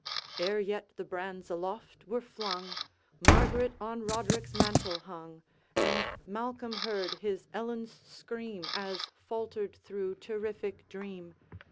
Ere yet the brands aloft were flung, Margaret on Roderick's mantle hung, And Malcolm heard his Ellen's scream, As faltered through terrific dream.